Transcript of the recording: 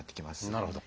なるほど。